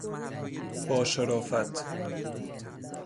باشرافت